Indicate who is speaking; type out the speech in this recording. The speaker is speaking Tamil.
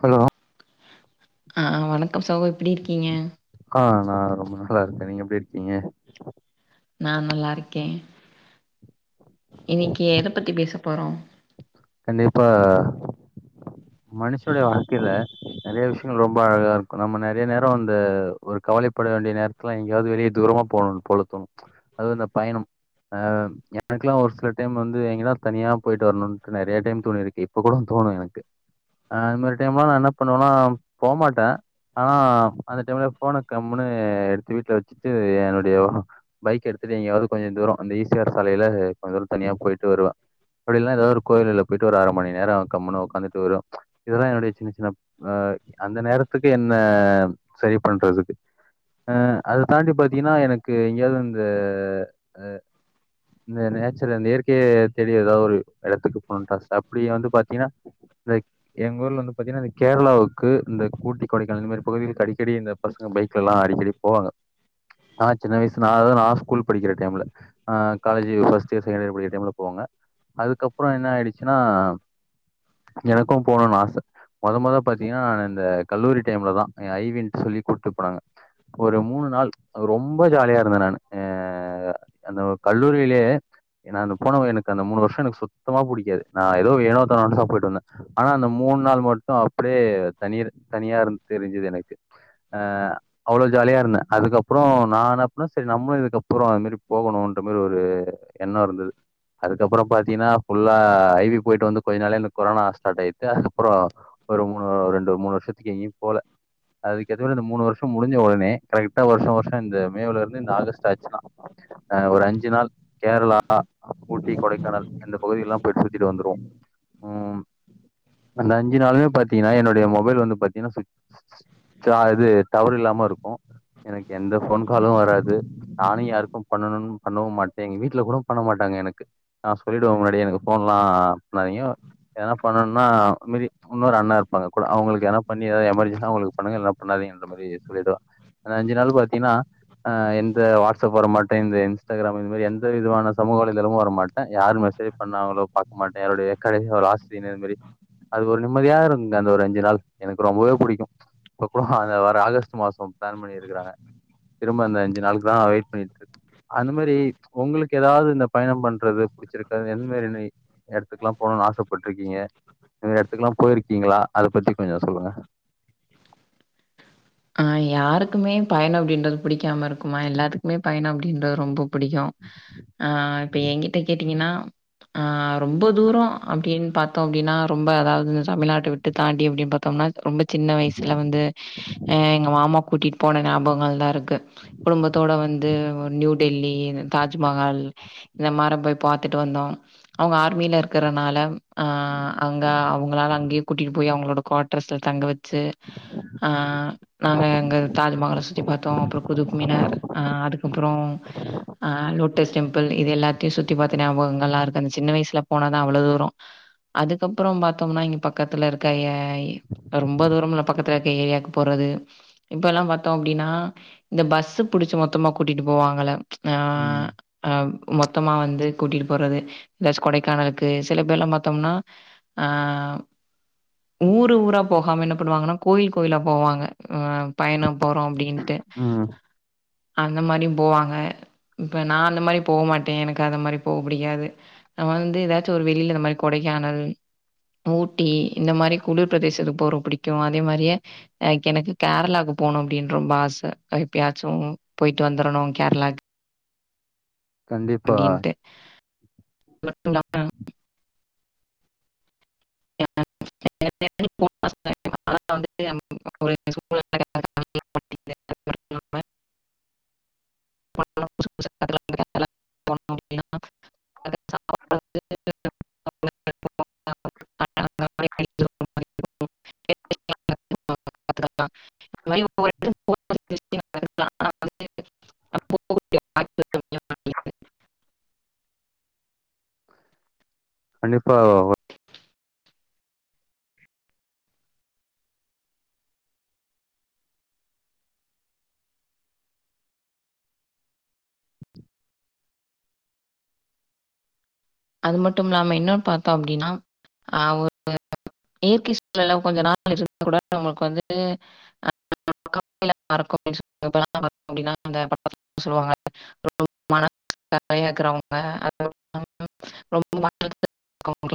Speaker 1: ஹலோ
Speaker 2: ஆ வணக்கம் சகோ எப்பிடி இருக்கீங்க
Speaker 1: ஆ நா ரொம்ப நல்லாருக்கேநீங்க எப்டி இருக்கீங்க
Speaker 2: நா நல்லாருக்கே இன்னக்கி எத பத்தி பேச போறோ
Speaker 1: கண்டிப்பா மனுஷனுடைய வாழ்க்கைல நெறைய விஷயங்கள் ரொம்ப அழகாருக்கும் நம்ம நெறைய நேர அந்த ஒரு கவலைப்பட வேண்டிய நேரத்துலா எங்கேயாவ்து வெளிய தூரமா போகணு போல தோணு அது அ இந்த பயணம் ஆ எனக்கெல்லா ஒரு சில டைம் வந்து எங்கனா தனியா போயிட்டு வரணுன் நெறைய டைம் தோணிருக்கு இப்ப கூட தோணு எனக்கு அ அந்த மாரி டைம்லா நா என்ன பண்ணுவனா போமாட்டே ஆனா அந்த டைம்ல ஃபோன கம்முனு எடுத்து வீட்ல வச்சுட்டு என்னுடைய பைக் எடுத்துட்டு எங்யாவது கொஞ்ச தூரம் அந்த ஈ சி யார் சாலைல கொஞ்ச தூர தனியா போயிட்டு வருவே அப்புடில்லனா எதா ஒரு கோயில்ல போயிட்டு ஒரு அர மணி நேரொ கம்முன்னு ஒக்காந்துட்டு வரு இதெல்லா என்னுடைய சின்ன சின்ன அ அந்த நேரத்துக்கு என்ன சரி பண்றதுக்கு அ அத தாண்டி பாத்தீங்கனா எனக்கு எங்கயாது இந்த இந்த நேச்சர் இந்த இயற்கைய தேடி எதா ஒரு எடத்துக்கு போணுன்டாச அப்புடி வந்து பாத்தீங்கனா இந்த எங்க ஊர்ல வந்து பாத்தினா இந்த கேரளாவுக்கு இந்த ஊட்டி கொடைக்கானல் இந்தமாரி பகுதிகளுக்கு அடிக்கடி இந்த பசங்க பைக்லல்லா அடிக்கடி போவாங்க ஆனா சின்ன வயசு நா அத நா ஸ்கூல் படிக்கிற டைம்ல அ college first year second year படிக்கிற டைம்ல போவாங்க அதுக்கப் புறோ என்ன ஆயிடுச்சுனா எனக்கும் போணுன்னு ஆச மொத மொத பாத்தீங்கனா நா இந்த கல்லூரி டைம்ல தா எ ஐ வின் சொல்லி கூட்டு போனாங்க ஒரு மூணு நாள் ரொம்ப ஜாலியா இருந்தே நானு ஆ அந்த கல்லூரிலே நா அந்த போன எனக்கு அந்த மூணு வருஷ எனக்கு சுத் தமா புடிக்காது நா எதோ ஏனோ தாணோன்தா போயிட்டு வந்தே ஆனா அந்த மூணு நாள் மட்டு அப்டே தனி தனியா இருந் தெரிஞ்சுது எனக்கு ஆ அவ்ளோ ஜாலியா இருந்தே அதுக்கப்றோ நா என்ன பண்ண செரி நம்மளு இதுக்கப்றொ அது மாரி போகணும்ன்ற மாரி ஒரு எண்ணொ இருந்தது அதுக்கப்புறொ பாத்தீனா ஃபுல்லா ஐ வி போயிட்டு வந்து கொஞ்ச நாளே இந்த கொரோனா ஸ்டார்ட் ஆயிடித்து அதுக்கப்புறோ ஒரு மூணு ரெண்டு மூணு வருஷத்துக்கு எங்யும் போல அதுக்கேத்த மாறி இந்த மூணு வருஷம் முடிஞ்ச ஒடனே கரெக்டா வருஷ வருஷம் இந்த மேவு ல இருந்து இந்த ஆகஸ்ட் ஆச்சுனா ஒரு அஞ்சு நாள் கேரளா ஊட்டி கொடைக்கானல் அந்த பகுதியல்லா போய் சுத்திட்டு வந்துருவோ ம் அந்த அஞ்சு நாளுமே பாத்தீங்கனா என்னுடைய மொபைல் வந்து பாத்தீங்னா சுச் சா இது டவர் இல்லாம இருக்கு எனக்கு எந்த ஃபோன் காலு வராது நானும் யாருக்கும் பண்ணனுனு பன்னவும் மாட்டே எங்க வீட்ல கூட பண்ண மாட்டாங்க எனக்கு நா சொல்லி டுவே முன்னாடியே எனக்கு போன்லா பன்னாதீங்க எதன்னா பன்னனுன்னா இது மரி இன்னொரு அண்ணா இருப்பாங்க கூட அவுங்களுக்கு எதனா பன்னி எதனா எமர்ஜென்சி னா அவுங்களுக்கு பன்னுங்க இல்லனா பன்னாதீங்கன்ற மாரி சொல்லிடுவ அந்த அஞ்சு நாள் பாத்தீங்கனா அ எந்த வாட்ஸப் வர மாட்டே இந்த இன்ஸ்டாகிராம் இந்த மாரி எந்த விதமான சமூக வலைதளமு வர மாட்டே யாரு மெஸ ஜெ பண்ணாங்களோ பாக்க மாட்டே என்னுடைய கடை ஒரு ஆஸ்தி னு இதுமாி அது ஒரு நிம்மதியா இருந்த அந்த ஒரு அஞ்சு நாள் எனக்கு ரொம்பவே புடிக்கும் இப்ப கூட அந்த வர ஆகஸ்ட் மாசம் ப்ளான் பண்ணியிருக்கிறாங்க திரும்ப அந்த அஞ்சு நாளுக்கு தா வெயிட் பண்ணிட்ருக்கே அந்த மாரி உங்களுக்கு எதாவ்து இந்த பயணம் பண்றது புடிச்சிருக் எந்தமாரினி எடத்துக்குலா போணுனு ஆசப்பட்டுருக்கீங்க இந்த மாரி எடத்துக்ல்லா போயிருக்கீங்ளா அத பத்தி கொஞ்ச சொல்லுங்க
Speaker 2: ஆ யாருக்குமே பயணம் அப்டின்றது புடிக்காம இருக்குமா எல்லாத்துக்குமே பயணம் அப்டின்றது ரொம்ப புடிக்கும் ஆ இப்ப என்கிட்ட கேட்டீங்கனா ஆ ரொம்ப தூரொ அப்டின் பாத்தோ அப்டின்னா ரொம்ப அதாவ்து தமிழ்நாட்ட விட்டு தாண்டி அப்டி பாத்தோம்னா ரொம்ப சின்ன வயசுல வந்து எங்க மாமா கூட்டிட்டு போன ஞாபகங்கள் தா‌இருக்கு குடும்பத்தோட வந்து நியூ டெல்லி தாஜ்மஹால் இந்த மாரி போய் பாத்துட்டு வந்தோம் அவுங்க ஆர்மில இருக்குறனால அ அங்க அவுங்களால அங்கயே கூட்டிட்டு போய் அவுங்களோட குவார்டர்ஸ்ல தங்க வச்சு ஆ நாங்க அங்க தாஜ்மஹால சுத்தி பாத்தோ அப்றோ குதுப்மினார் ஆ அதுக்கப்றோம் அ லோட்டஸ் டெம்பிள் இது எல்லாத்தையு சுத்தி பாத்த ஞாபகங்கள்லா‌ இருக்கு அந்த சின்ன வயசுல போனதா அவ்வள தூரொ அதுக்கப்புறம் பாத்தொம்னா இங்க பக்கத்துல இருக்க ஏ ஐ ரொம்ப தூரம்ல பக்கத் துலக்க ஏரியாக்கு போறது இப்பல்லாம் பாத்தோ அப்டின்னா இந்த பஸ்ஸு புடுச்சு மொத்தமா கூட்டிட்டு போவாங்கல்ல ஆ
Speaker 1: ம்,
Speaker 2: அ மொத்தமா வந்து கூட்டிட்டு போறது எதாச்சு கொடைக்கானலுக்கு சில பேர்லா பாத்தம்னா ஆ ஊரு ஊரா போகாம என்ன பண்ணுவாங்கனா கோயில் கோயிலா போவாங்க ஆ பயணம் போறோம் அப்டின்ட்டு
Speaker 1: ம்.
Speaker 2: அந்த மாரியு போவாங்க இப்ப நா அந்த மாரி போ மாட்டே எனக்கு அந்த மாரி போக புடிக்காது நம்ம வந்து எதா ஒரு வெளில இந்த மாரி கொடைக்கானல் ஊட்டி இந்த மாரி குளிர் ப்ரதேசத்துக்கு போற புடிக்கு அதே மாரியே எனக்கு கேரளாக்கு போணோ அப்டின்னு ரொம்ப ஆச எப்பயாச்சு போயிட்டு வந்துரனோ கேரளாக்கு
Speaker 1: கண்டிப்பா,
Speaker 2: அப்டின்ட்டு மட்டு தா உம் [inaudible] [inaudible] [inaudible] [inaudible] [unintelligible]
Speaker 1: கண்டிப்பா
Speaker 2: அது மட்டும் இல்லாம இன்னொன்னு பாத்தோ அப்டின்னா ஆ ஒரு இயற்கை சூழ்நெல்ல கொஞ்ச நாள் இருந்தா கூட நம்மளுக்கு வந்துட்டு [unintelligible]